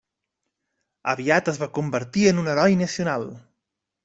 Aviat es va convertir en un heroi nacional.